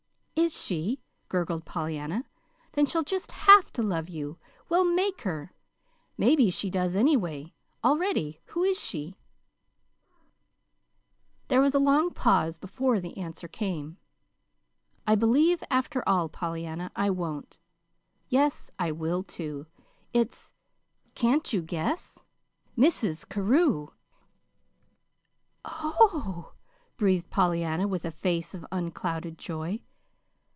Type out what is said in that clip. "Is she?" gurgled Pollyanna. "Then she'll just have to love you. We'll make her! Maybe she does, anyway, already. Who is she?" There was a long pause before the answer came. "I believe, after all, Pollyanna, I won't yes, I will, too. It's can't you guess? Mrs. Carew." "Oh!" breathed Pollyanna, with a face of unclouded joy.